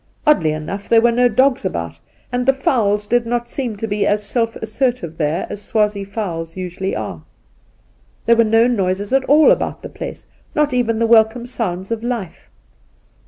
Oddly enough there were no dogs about, and the fowls did not seem to be as self assertive there as Swazie fowls usually are. There were no noises at all about the place, not even the welcome sounds of ' life.